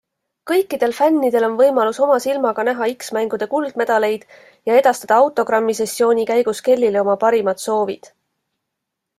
Kõikidel fännidel on võimalus oma silmaga näha X-mängude kuldmedaleid ja edastada autogrammisessiooni käigus Kellyle oma parimad soovid.